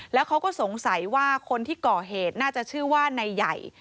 แล้วเขาก็สงสัยว่าคนที่ก่อเหตุน่าจะชื่อว่านายใหญ่